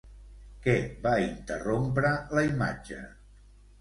Què va interrompre la imatge?